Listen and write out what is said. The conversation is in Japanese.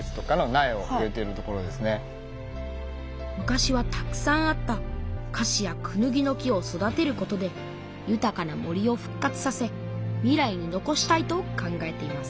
昔はたくさんあったカシやクヌギの木を育てることでゆたかな森をふっ活させ未来に残したいと考えています